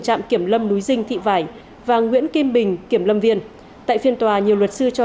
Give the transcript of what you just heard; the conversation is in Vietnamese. trạm kiểm lâm núi dinh thị vải và nguyễn kim bình kiểm lâm viên tại phiên tòa nhiều luật sư cho